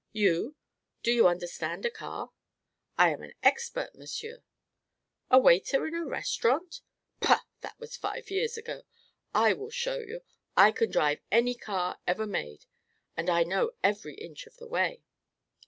"You? Do you understand a car?" "I am an expert, monsieur." "A waiter in a restaurant?" "Pah! That was five years ago. I will show you. I can drive any car ever made and I know every inch of the way."